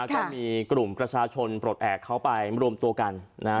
ก็มีกลุ่มประชาชนปลดแอบเขาไปรวมตัวกัน